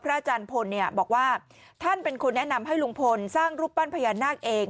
อาจารย์พลบอกว่าท่านเป็นคนแนะนำให้ลุงพลสร้างรูปปั้นพญานาคเอง